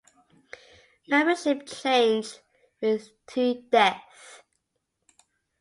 Membership changed with two deaths.